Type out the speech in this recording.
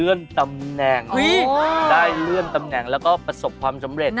อาจารย์ไอฮ่ะเค้าได้เรื่องเดือนตำแหน่ง